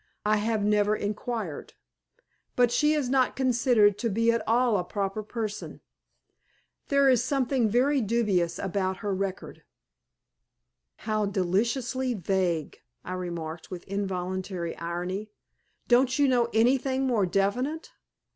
I have never inquired. But she is not considered to be at all a proper person. There is something very dubious about her record." "How deliciously vague!" I remarked, with involuntary irony. "Don't you know anything more definite?"